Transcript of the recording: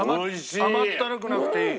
甘ったるくなくていい。